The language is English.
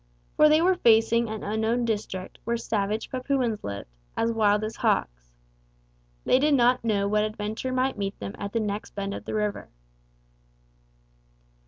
For they were facing an unknown district where savage Papuans lived as wild as hawks. They did not know what adventure might meet them at the next bend of the river.